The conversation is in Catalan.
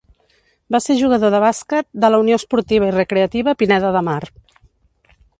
Va ser jugador de bàsquet de la Unió Esportiva i Recreativa Pineda de Mar.